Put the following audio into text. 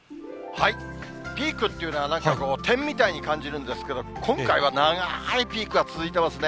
ピークっていうのは、なんか点みたいに感じるんですけど、今回は長いピークが続いてますね。